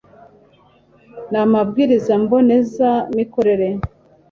n amabwiriza mboneza mikorere